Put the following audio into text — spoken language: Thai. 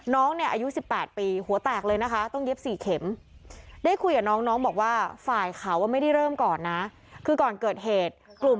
น้องเนี่ยอายุ๑๘ปีหัวแตกเลยนะคะต้องเย็บสี่เข็ม